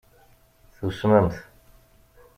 Tusmemt.